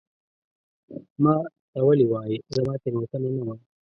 ما ته ولي وایې ؟ زما تېروتنه نه وه